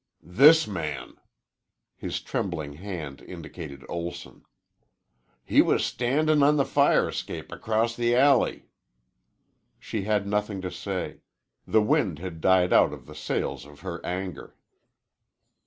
"This man." His trembling hand indicated Olson. "He was standin' on the fire escape acrost the alley." She had nothing to say. The wind had died out of the sails of her anger.